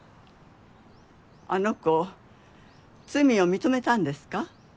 あの子罪を認めたんですか？